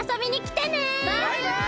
バイバイ！